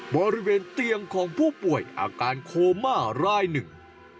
บริเวณเตียงของผู้ป่วยอาการโคม่ารายหนึ่ง